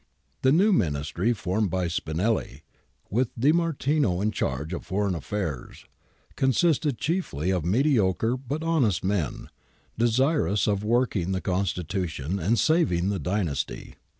The new Ministry formed by Spinelli, with De Martino in charge of Foreign affairs, consisted chiefly of mediocre but honest men, desirous of working the Constitution and saving the dynasty.